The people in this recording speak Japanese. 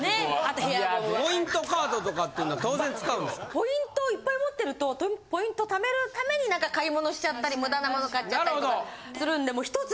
ポイントをいっぱい持ってるとポイント貯めるために何か買い物しちゃったり無駄なもの買っちゃったりとかするんで。